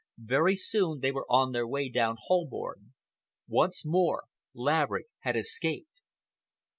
Very soon they were on their way down Holborn. Once more Laverick had escaped.